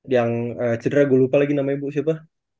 yang cedera gue lupa lagi namanya siapa